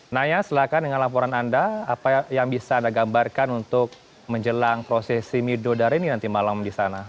naya silahkan dengan laporan anda apa yang bisa anda gambarkan untuk menjelang prosesi midodareni nanti malam di sana